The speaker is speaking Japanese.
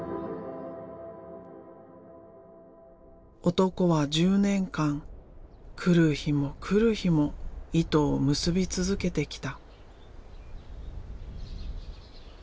男は１０年間来る日も来る日も糸を結び続けてきた。